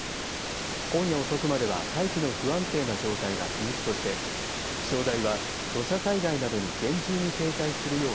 今夜遅くまでは大気が不安定な状態が続くとして気象台は土砂災害などに厳重に警戒するよう